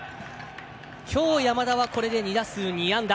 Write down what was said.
きょう山田はこれで２打数２安打。